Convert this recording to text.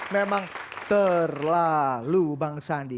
memang terlalu bang sandi